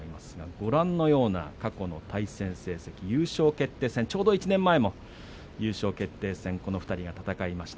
ご覧のような過去の対戦成績優勝決定戦１年前も優勝決定戦この２人が戦いました。